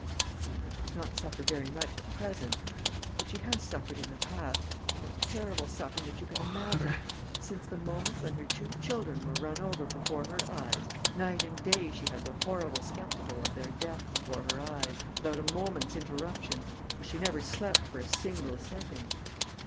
"She does not suffer very much at present. But she has suffered in the past, the most terrible suffering that you can imagine: since the moment when her two children were run over before her eyes, night and day she had the horrible spectacle of their death before her eyes, without a moment's interruption, for she never slept for a single second.